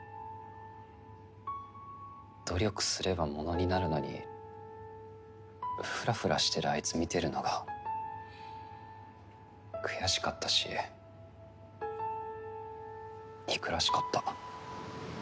努力すればものになるのにふらふらしてるあいつ見てるのが悔しかったし憎らしかった。